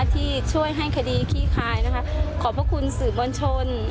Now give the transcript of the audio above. ที่ช่วยให้คดีคี่คายขอบคุณสื่อมวลชน